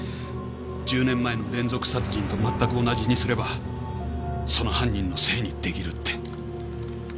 １０年前の連続殺人と全く同じにすればその犯人のせいに出来るって。